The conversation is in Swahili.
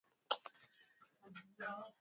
wapenzi wa jinsia moja wapigwa picha nchini Kenya